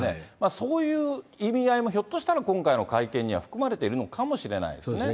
そういう意味合いも、ひょっとしたら今回の会見にも含まれているのかもしれないですよ